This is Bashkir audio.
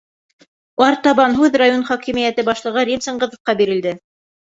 Артабан һүҙ район хакимиәте башлығы Рим Сыңғыҙовҡа бирелде.